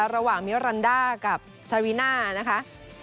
ระหว่างมิวรันดากับซาวีน่านะคะ